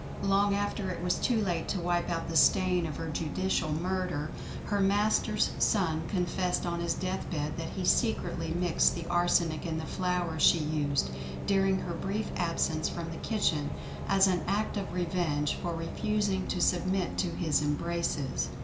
Long after it was too late to wipe out the stain of her judicial murder, her master's son confessed on his death bed that he secretly mixed the arsenic in the flour she used, during her brief absence from the kitchen, as an act of revenge for refusing to submit to his embraces.